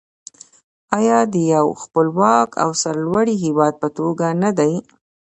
آیا د یو خپلواک او سرلوړي هیواد په توګه نه دی؟